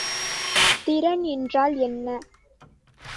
திறன் என்றால் என்ன?